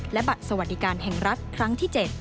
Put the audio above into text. และบัตรสวัสดิการแห่งรัฐครั้งที่๗